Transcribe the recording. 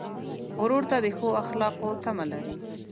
ورور ته د ښو اخلاقو تمه لرې.